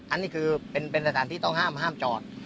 อันนี้คือเป็นสถานที่ต้องห้ามห้ามจอด